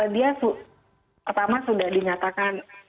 dia pertama sudah dinyatakan